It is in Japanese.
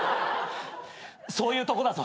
そういうとこだぞ。